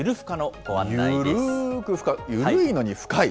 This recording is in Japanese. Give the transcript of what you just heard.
ゆるいのに深い？